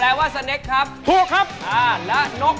อ้าวอะไรอย่างนี้